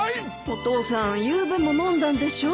お父さんゆうべも飲んだんでしょ。